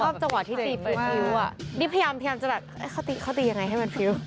ชอบจังหวะที่ตีเปิดฟิวอ่ะนี่พยายามจะแบบเขาตียังไงให้มันฟิว